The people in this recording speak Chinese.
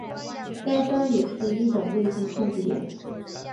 该山也是一等卫星控制点。